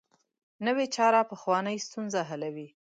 نوې چاره پخوانۍ ستونزه حلوي